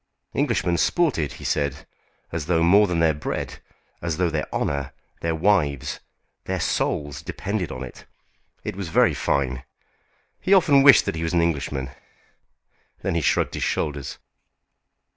Englishmen sported, he said, as though more than their bread, as though their honour, their wives, their souls, depended on it. It was very fine! He often wished that he was an Englishman. Then he shrugged his shoulders.